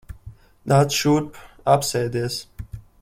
Nāc šurp. Apsēdies.